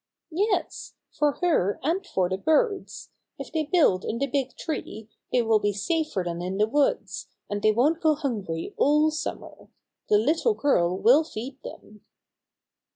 "Yes, for her and for the birds. If they build in the big tree, they will be safer than in the woods, and they won't go hungry all summer. The little girl will feed them."